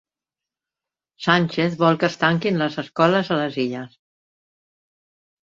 Sánchez vol que es tanquin les escoles a les Illes